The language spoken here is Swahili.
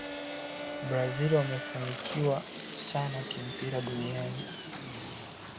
brazil wamefanikiwa sana kimpira duniani